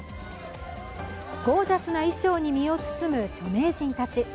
ゴージャスな衣装に身を包む著名人たち。